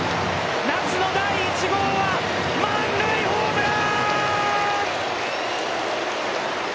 夏の第１号は、満塁ホームラーーン！！